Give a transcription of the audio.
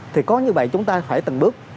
thì có như vậy chúng ta phải từng bước